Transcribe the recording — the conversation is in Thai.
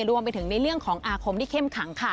รวมไปถึงในเรื่องของอาคมที่เข้มขังค่ะ